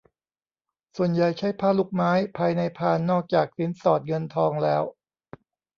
ส่วนใหญ่ใช้ผ้าลูกไม้ ภายในพานนอกจากสินสอดเงินทองแล้ว